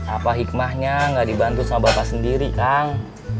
apa hikmahnya gak dibantu sama bapak sendiri kang